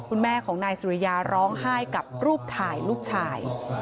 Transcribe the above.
คุณแม่ของนายสุริยาร้องไห้กับรูปถ่ายลูกชาย